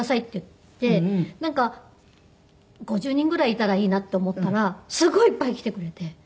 なんか５０人ぐらいいたらいいなって思ったらすごいいっぱい来てくれて。